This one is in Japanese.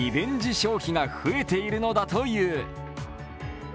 消費が増えているのだという。